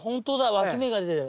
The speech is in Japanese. わき芽が出てる。